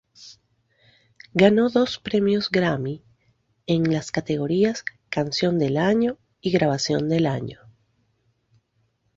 Ganó dos Premios Grammy en las categorías "Canción del año" y "Grabación del año".